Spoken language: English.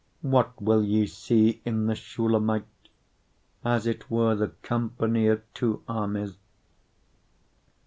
What will ye see in the Shulamite? As it were the company of two armies.